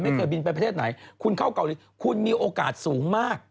เคยบินไปประเทศไหนคุณเข้าเกาหลีคุณมีโอกาสสูงมาก